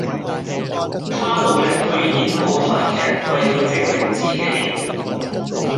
他努力去演舞台劇為了證明自己